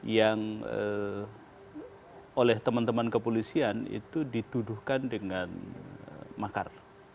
yang oleh teman teman kepolisian itu dituduhkan dengan makar